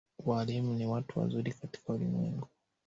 Walimu ni watu wazuri katika ulimwengu